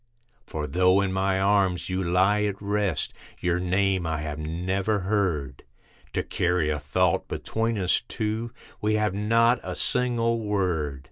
For though in my arms you lie at rest, your name I have never heard, To carry a thought between us two, we have not a single word.